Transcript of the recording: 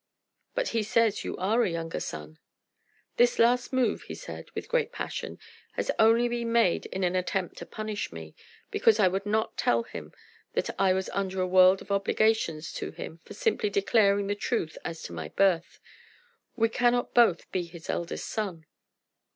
"But he says you are a younger son." "This last move," he said, with great passion, "has only been made in an attempt to punish me, because I would not tell him that I was under a world of obligations to him for simply declaring the truth as to my birth. We cannot both be his eldest son."